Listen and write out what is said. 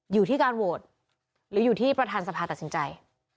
อยู่ที่การโหวตหรืออยู่ที่ประธานสภาตัดสินใจ